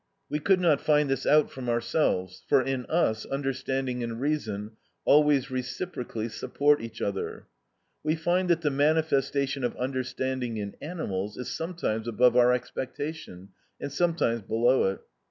We could not find this out from ourselves, for in us understanding and reason always reciprocally support each other. We find that the manifestation of understanding in animals is sometimes above our expectation, and sometimes below it.